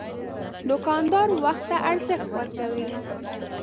دوکاندار وخت ته ارزښت ورکوي.